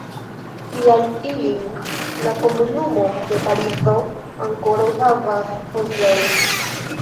Tial ilin la komunumo de Parizo ankoraŭ havas hodiaŭ.